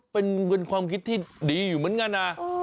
เป็นความคิดที่ดีอยู่เหมือนกันนะ